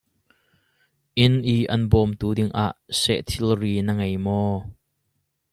Inn i an bawmtu ding ah sehthilri na ngei maw?